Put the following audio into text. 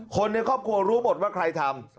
คนในครอบครัวรู้หมดว่าใครทำ